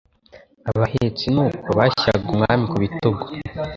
Abahetsi ni uko bashyiraga Umwami ku bitugu